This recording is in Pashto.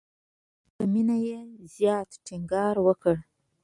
په مینه یې زیات ټینګار وکړ.